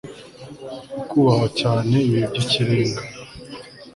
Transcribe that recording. akubahwa cyane ibi by'ikirenga